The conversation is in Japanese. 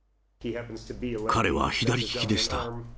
彼は左利きでした。